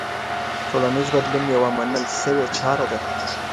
ټولنيز بدلون يوه منل سوې چاره ده.